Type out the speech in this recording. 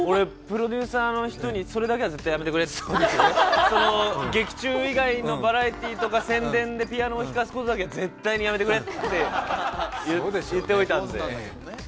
プロデューサーの人にそれだけは絶対やめてくれって、劇中以外のバラエティーとか宣伝でピアノを弾かすことだけは絶対やめてくれと言っておいたので。